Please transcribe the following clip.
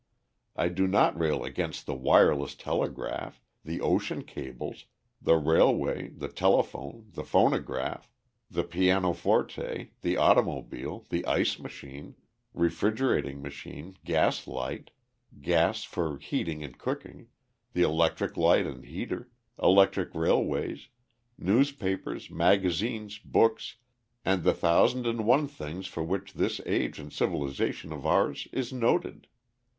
I do not rail against the wireless telegraph, the ocean cables, the railway, the telephone, the phonograph, the pianoforte, the automobile, the ice machine, refrigerating machine, gas light, gas for heating and cooking, the electric light and heater, electric railways, newspapers, magazines, books, and the thousand and one things for which this age and civilization of ours is noted.